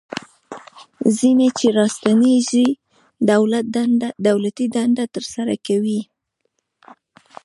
ځینې چې راستنیږي دولتي دندې ترسره کوي.